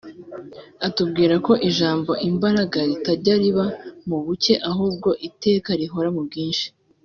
atubwira ko ijambo ‘imbaraga’ ritajya riba mu buke ahubwo iteka rihora mu bwinshi